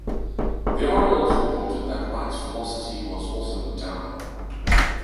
The Orioles reported that Wright's velocity was also down.